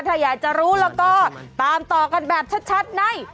ถ้าอยากจะรู้แล้วก็ตามต่อกันแบบชัดใน